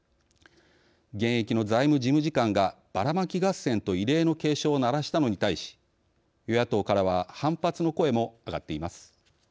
現役の財務事務次官がバラマキ合戦と異例の警鐘を鳴らしたのに対し与野党からは反発の声も上がっています。